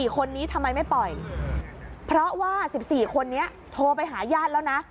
๔คนนี้ทำไมไม่ปล่อยเพราะว่า๑๔คนนี้โทรไปหาญาติแล้วนะ